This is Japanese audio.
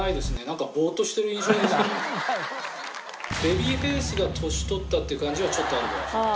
ベビーフェイスが年取ったっていう感じはちょっとあるぐらい。